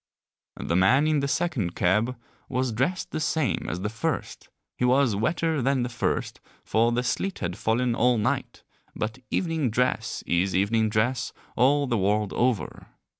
The man in the second cab was dressed the same as the first, he was wetter than the first, for the sleet had fallen all night, but evening dress is evening dress all the world over.